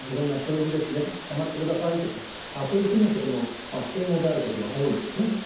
「つかまってください」とかそういうふうなこともスペイン語であることが多いんですね。